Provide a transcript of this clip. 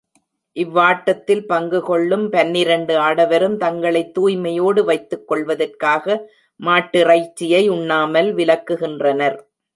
இவ்வாட்டத்தில் பங்கு கொள்ளும் பன்னிரண்டு ஆடவரும் தங்களைத் தூய்மையோடு வைத்துக் கொள்வதற்காக, மாட்டிறைச்சியை உண்ணாமல் விலக்குகின்றனர்.